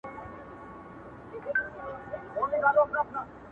سلامۍ او احترام ته برابر وه